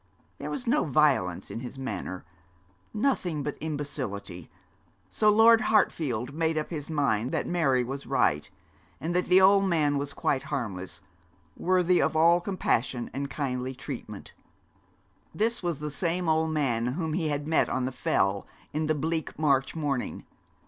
There was no violence in his manner, nothing but imbecility; so Lord Hartfield made up his mind that Mary was right, and that the old man was quite harmless, worthy of all compassion and kindly treatment. This was the same old man whom he had met on the Fell in the bleak March morning.